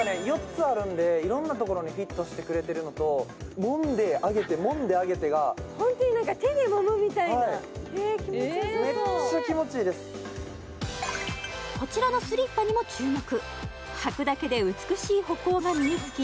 ４つあるんで色んな所にフィットしてくれてるのともんで上げてもんで上げてがホントに何か手でもむみたいな気持ちよさそうメッチャ気持ちいいですこちらのスリッパにも注目